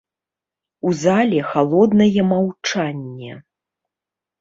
У зале халоднае маўчанне.